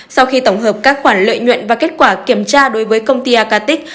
sau khi tổng hợp các khoản lợi nhuận và kết quả kiểm tra đối với công ty acatic